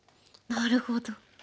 なるほど。